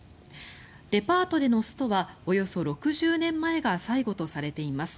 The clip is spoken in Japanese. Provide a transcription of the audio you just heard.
デパートでのストはおよそ６０年前が最後とされています。